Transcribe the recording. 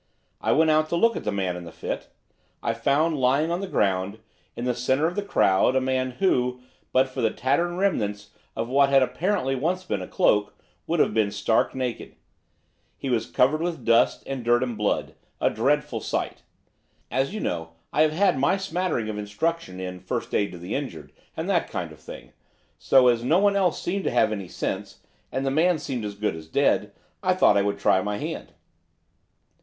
I went out to look at the man in the fit. I found, lying on the ground, in the centre of the crowd, a man who, but for the tattered remnants of what had apparently once been a cloak, would have been stark naked. He was covered with dust, and dirt, and blood, a dreadful sight. As you know, I have had my smattering of instruction in First Aid to the Injured, and that kind of thing, so, as no one else seemed to have any sense, and the man seemed as good as dead, I thought I would try my hand.